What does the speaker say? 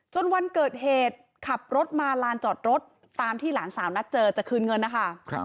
วันเกิดเหตุขับรถมาลานจอดรถตามที่หลานสาวนัดเจอจะคืนเงินนะคะ